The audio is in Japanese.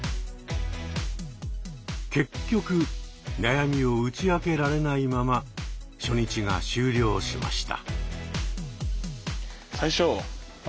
結局悩みを打ち明けられないまま初日が終了しました。